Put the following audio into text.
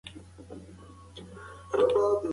هغه غوړ چې دننه وي خطرناک دي.